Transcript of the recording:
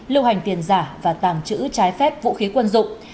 lưu hành tiền giả và tàng trữ trái phép vũ khí quân dụng